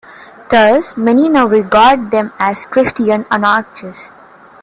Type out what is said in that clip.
Thus, many now regard them as Christian anarchists.